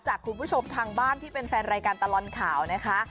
คุณผู้ชมทางบ้านที่เป็นแฟนรายการตลอดข่าวนะคะ